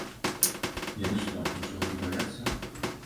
Яны што, нічога не баяцца?